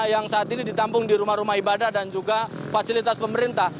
yang saat ini ditampung di rumah rumah ibadah dan juga fasilitas pemerintah